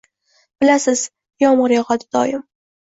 Bilasiz, yomg‘ir yog‘adi doim.